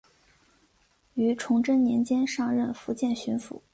于崇祯年间上任福建巡抚。